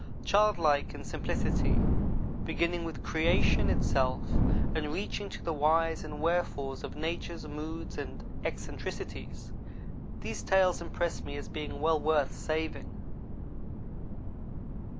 Childlike in simplicity, beginning with creation itself, and reaching to the whys and wherefores of nature's moods and eccentricities, these tales impress me as being well worth saving.